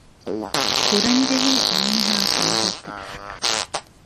ކުރަންޖެހޭ އެންމެހައި ކަންތައްތައް